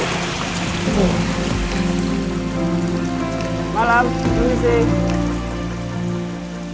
malam selamat siang